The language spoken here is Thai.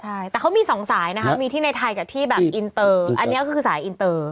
ใช่แต่เขามีสองสายนะคะมีที่ในไทยกับที่แบบอินเตอร์อันนี้ก็คือสายอินเตอร์